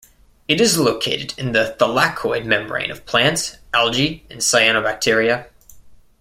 It is located in the thylakoid membrane of plants, algae, and cyanobacteria.